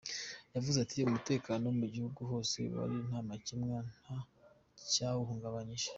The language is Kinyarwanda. Yavuze ati:”Umutekano mu gihugu hose wari nta makemwa, nta cyawuhungabanyije.